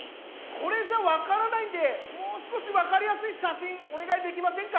これじゃわからないんでもうすこしわかりやすいしゃしんおねがいできませんか？